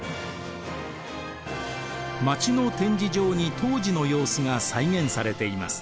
街の展示場に当時の様子が再現されています。